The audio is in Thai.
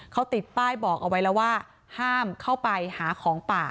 เขาติดป้ายบอกเอาไว้แล้วว่าห้ามเข้าไปหาของป่า